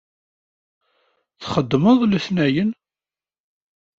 Txeddmeḍ d letnayen?